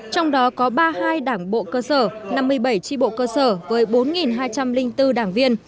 trong đó có ba mươi hai đảng bộ cơ sở năm mươi bảy tri bộ cơ sở với bốn hai trăm linh bốn đảng viên